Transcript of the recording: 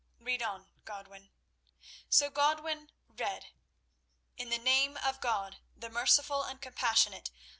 Read on, Godwin." So Godwin read: "In the Name of God, the Merciful and Compassionate!